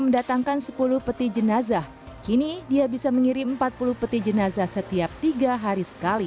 mendatangkan sepuluh peti jenazah kini dia bisa mengirim empat puluh peti jenazah setiap tiga hari sekali